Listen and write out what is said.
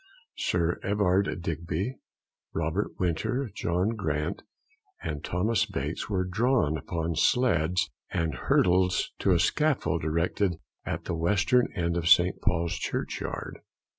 Sir Everard Digby, Robert Winter, John Grant, and Thomas Bates, were drawn upon sledges and hurdles to a scaffold erected at the western end of St. Paul's churchyard.